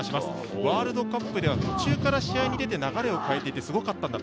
ワールドカップでは途中から試合に出て流れを変えて、すごかったんだと。